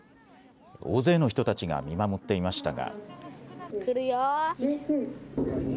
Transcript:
大勢の人たちが見守っていましたが。